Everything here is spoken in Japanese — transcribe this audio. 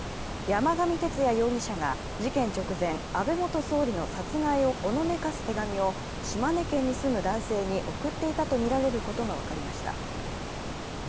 山上徹也容疑者が事件直前、安倍元総理の殺害をほのめかす手紙を島根県に住む男性に送っていたとみられることが分かりました。